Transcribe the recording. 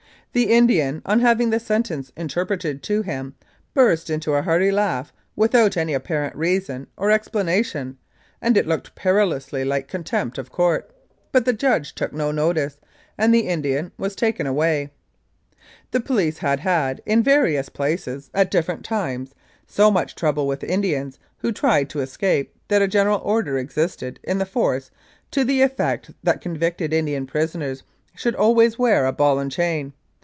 The Indian, on having the sentence interpreted to him, burst into a hearty laugh without any apparent reason or explana tion, and it looked perilously like contempt of court, but the judge took no notice, and the Indian was taken away. The police had had in various places, at different times, so much trouble with Indians who tried to escape that a General Order existed in the Force to the effect that convicted Indian prisoners should always wear a ball and chain.